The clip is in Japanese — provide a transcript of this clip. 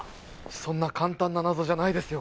そんな簡単な謎じゃないですよ